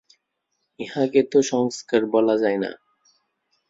ইহাকে তো সংস্কার বলা যায় না।